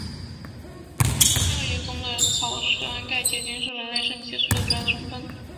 尿液中的草酸钙结晶是人类肾结石的主要成分。